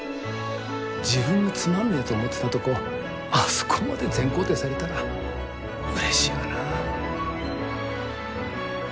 自分のつまんねえと思ってたとこあそこまで全肯定されたらうれしいわな。